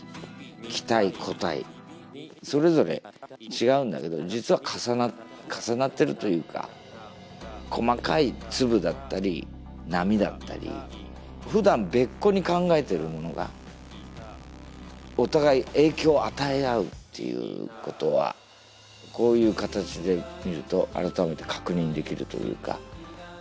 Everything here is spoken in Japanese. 気体固体それぞれ違うんだけど実は重なって重なってるというか細かい粒だったり波だったりふだん別個に考えているものがお互い影響を与え合うっていうことはこういう形で見ると改めて確認できるというか。